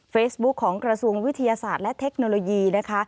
เฟซบุ๊คของกระทรวงวิทยาศาสตร์และเทคโนโลยีนะคะ